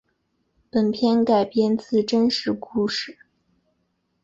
本片改编自真实故事。